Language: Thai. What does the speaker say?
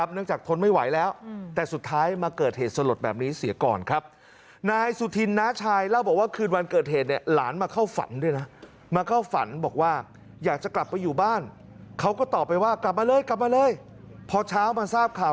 เนื่องจากทนไม่ไหวแล้วแต่สุดท้ายมาเกิดเหตุสลดแบบนี้เสียก่อนครับ